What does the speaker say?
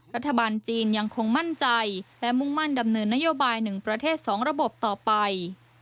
รัฐบาลจีนยังคงมั่นใจและมุ่งมั่นดำเนินนโยบาย๑ประเทศ๒ระบบต่อไป